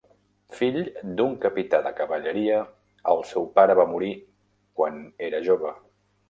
Fill d'un capità de cavalleria, el seu pare va morir quan era jove.